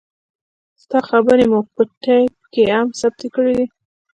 ستا خبرې مو په ټېپ هم کښې ثبت کړې دي.